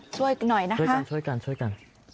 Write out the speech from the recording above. ช่วยหน่อยนะคะ